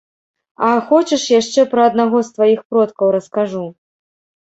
А хочаш яшчэ пра аднаго з тваіх продкаў раскажу?